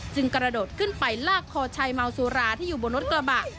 กระโดดขึ้นไปลากคอชายเมาสุราที่อยู่บนรถกระบะ